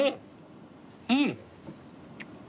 うん！